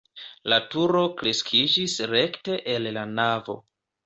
La turo kreskiĝis rekte el la navo.